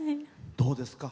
どうですか？